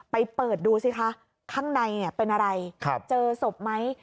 ไปเปิดดูสิคะข้างในเป็นอะไรเจอศพไหม